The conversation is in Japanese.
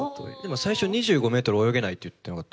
最初２５ｍ泳げないって言ってなかった？